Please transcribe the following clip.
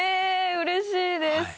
うれしいです。